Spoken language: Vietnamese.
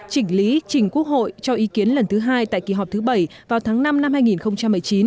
chỉnh lý trình quốc hội cho ý kiến lần thứ hai tại kỳ họp thứ bảy vào tháng năm năm hai nghìn một mươi chín